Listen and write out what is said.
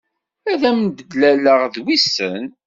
Ad am-d-laleɣ d wissen.